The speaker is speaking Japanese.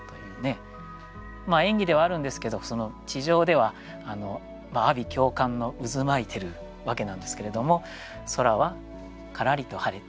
演技ではあるんですけど地上ではあび叫喚の渦巻いてるわけなんですけれども空はからりと晴れて秋晴であると。